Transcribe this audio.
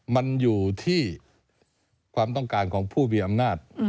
มันอยู่ที่ความต้องการของผู้มีอำนาจ